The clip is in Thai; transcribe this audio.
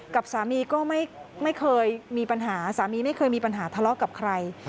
กับสามีก็ไม่เคยมีปัญหาสามีไม่เคยมีปัญหาทะเลาะกับใคร